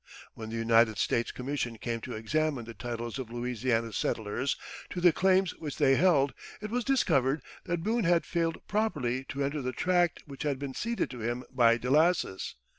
When the United States commission came to examine the titles of Louisiana settlers to the claims which they held, it was discovered that Boone had failed properly to enter the tract which had been ceded to him by Delassus.